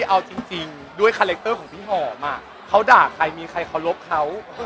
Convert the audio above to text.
พี่เอาจริงจริงด้วยคาเล็กเตอร์ของพี่หอมอะเขาด่าใครมีใครเค้ารบเค้า